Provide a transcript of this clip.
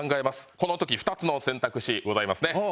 この時２つの選択肢ございますね。